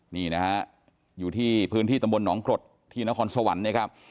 นี่นะฮะอยู่ที่พื้นที่ตำบลหนองกรดที่นครสวรรค์นะครับ